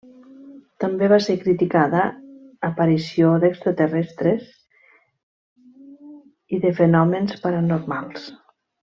També va ser criticada aparició d'extraterrestres i de fenòmens paranormals.